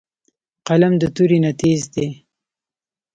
قلم د تورې نه تېز دی